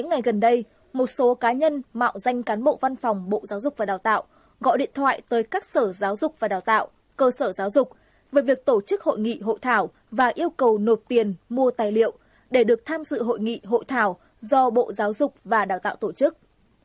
ngày gần đây một số cá nhân mạo danh cán bộ văn phòng bộ giáo dục và đào tạo gọi điện thoại tới các sở giáo dục và đào tạo cơ sở giáo dục về việc tổ chức hội nghị hội thảo và yêu cầu nộp tiền mua tài liệu để được tham dự hội nghị hội thảo do bộ giáo dục và đào tạo tổ chức